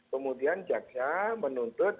kemudian jaksa menuntut